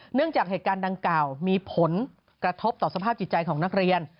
เนื่องจากเหตุการณ์ดังกล่าวมีผลกระทบต่อสภาพจิตใจของนักเรียน